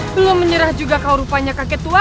belum menyerah juga kau rupanya kakek tua